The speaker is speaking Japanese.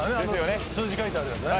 数字書いてあるやつね。